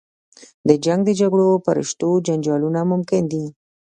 د جنګ و جګړو په رشتو جنجالونه ممکن دي.